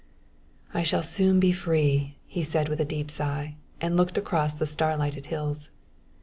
"I shall soon be free," he said with a deep sigh; and looked across the starlighted hills.